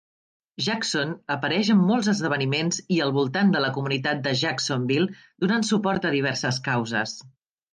Jaxson apareix en molts esdeveniments i al voltant de la comunitat de Jacksonville donant suport a diverses causes.